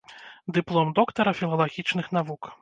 Дыплом доктара філалагічных навук.